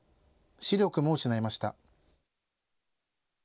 視力も失いました。